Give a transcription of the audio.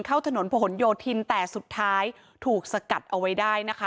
เข้าถนนผนโยธินแต่สุดท้ายถูกสกัดเอาไว้ได้นะคะ